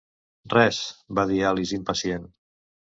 "Res!", va dir Alice impacient.